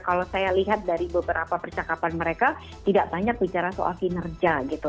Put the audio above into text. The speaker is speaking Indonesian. kalau saya lihat dari beberapa percakapan mereka tidak banyak bicara soal kinerja gitu